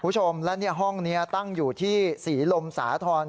คุณผู้ชมและห้องนี้ตั้งอยู่ที่ศรีลมสาธรณ์